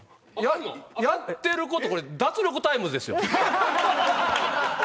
やってること『脱力タイムズ』ですよ。